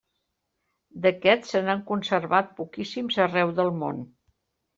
D’aquests se n’han conservat poquíssims arreu del món.